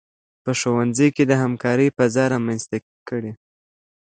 په ښوونځي کې د همکارۍ فضا رامنځته کړئ.